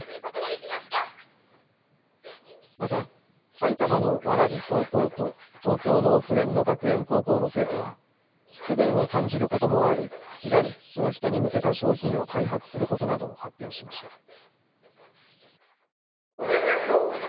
また、埼玉の蕨高校と東京の普連土学園高校の生徒は不便を感じることもある左利きの人に向けた商品を開発することなどを発表しました。